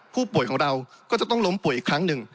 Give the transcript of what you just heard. ผู้ป่วยของเราก็จะต้องล้มป่วยอีกครั้งหนึ่ง